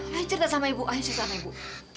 lanjut cerita sama ibu ayo cerita sama ibu